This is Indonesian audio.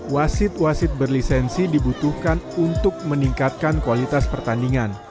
wasit wasit berlisensi dibutuhkan untuk meningkatkan kualitas pertandingan